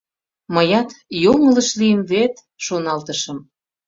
Мыят «Йоҥылыш лийым вет», — шоналтышым.